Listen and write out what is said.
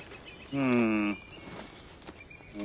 うん。